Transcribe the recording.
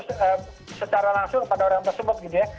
direct message itu secara langsung pada orang tersebut gitu ya